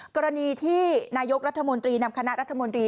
กรณีที่นายกรัฐมนตรีนำคณะรัฐมนตรี